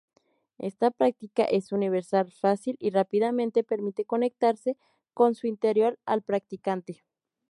Esta práctica es universal, fácil y rápidamente permite conectarse con su interior al practicante.